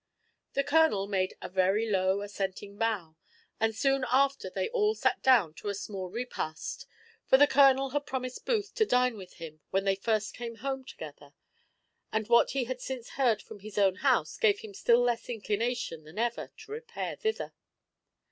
The colonel made a very low assenting bow, and soon after they all sat down to a small repast; for the colonel had promised Booth to dine with him when they first came home together, and what he had since heard from his own house gave him still less inclination than ever to repair thither.